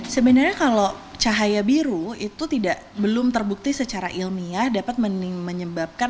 sebenarnya kalau cahaya biru itu belum terbukti secara ilmiah dapat menyebabkan